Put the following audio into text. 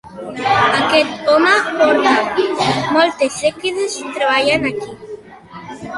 Aquest home porta moltes dècades treballant aquí.